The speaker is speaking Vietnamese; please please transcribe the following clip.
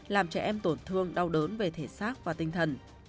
dẫn tổn thương đau đớn về thể xác và tinh thần